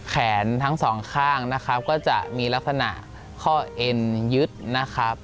แขนทั้งสองข้างนะครับก็จะมีลักษณะข้อเอ็นยึดนะครับ